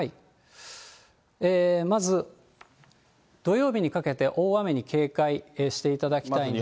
まず土曜日にかけて大雨に警戒していただきたいんですけども。